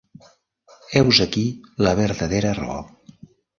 Heus aquí la verdadera raó.